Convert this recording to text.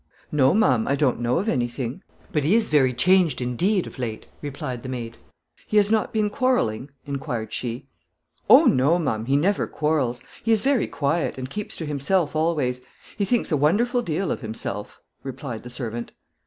"No, ma'am, I don't know of anything; but he is very changed, indeed, of late," replied the maid. "He has not been quarreling?" inquired she. "Oh, no, ma'am, he never quarrels; he is very quiet, and keeps to himself always; he thinks a wonderful deal of himself," replied the servant.